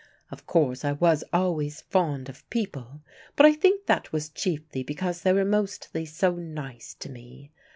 Of course I was always fond of people, but I think that was chiefly because they were mostly so nice to me.